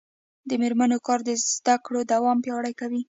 د میرمنو کار د زدکړو دوام پیاوړتیا کوي.